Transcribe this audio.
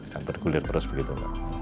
dan bergulir terus begitu